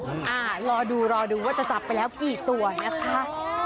รอดูรอดูว่าจะจับไปแล้วกี่ตัวนะคะ